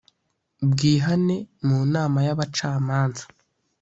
bwihane mu nama y abacamanza